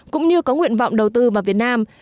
cũng như có nguyện vọng đầu tư vào việt nam